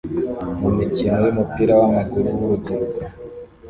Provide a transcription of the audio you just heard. mumikino yumupira wamaguru wurubyiruko